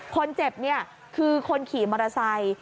คนเจ็บเนี่ยคือคนขี่มอเตอร์ไซค์